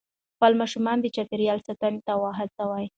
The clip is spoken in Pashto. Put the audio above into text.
خپل ماشومان د چاپېریال ساتنې ته وهڅوئ.